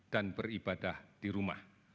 dan beribadah di rumah